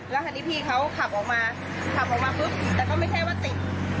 แล้วทีนี้พี่เขาขับออกมาขับออกมาปุ๊บแต่ก็ไม่ใช่ว่าติด